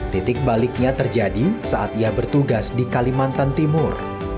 titik baliknya terjadi saat ia bertugas di kalimantan timur